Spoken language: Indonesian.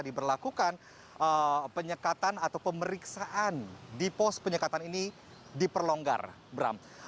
diberlakukan penyekatan atau pemeriksaan di pos penyekatan ini diperlonggar bram